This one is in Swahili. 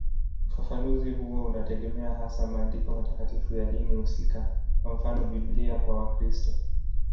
Ufafanuzi huo unategemea hasa maandiko matakatifu ya dini husika, kwa mfano Biblia kwa Wakristo.